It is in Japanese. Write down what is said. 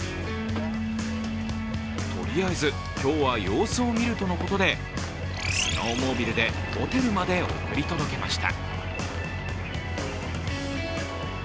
とりあえず、今日は様子を見るとのことでスノーモービルでホテルまで送り届けました。